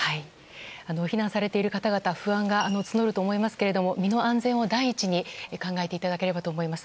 避難されている方々不安が募ると思いますが身の安全を第一に考えていただければと思います。